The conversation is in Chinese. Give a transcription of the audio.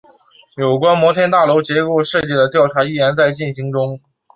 有关摩天大楼结构设计的调查依然在进行中。